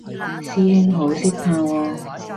師兄好識嘆喎